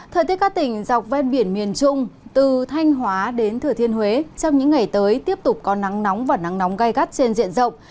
thời tiết các tỉnh dọc ven biển miền trung từ thanh hóa đến thừa thiên huế trong những ngày tới tiếp tục có nắng nóng và nắng nóng gai gắt trên diện rộng